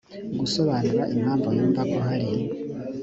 gusobanura impamvu yumva ko hari